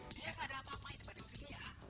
dia gak ada apa apaan dibanding si lia